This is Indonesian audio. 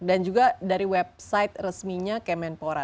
dan juga dari website resminya kemenpora